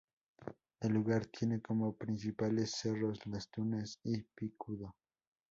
El lugar tiene como principales cerros Las Tunas y Picudo.